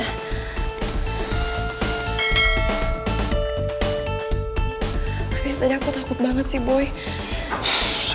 tapi tadi aku takut banget sih boy